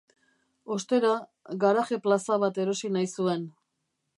Ostera, garaje plaza bat erosi nahi zuen.